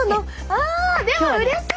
あでもうれしい！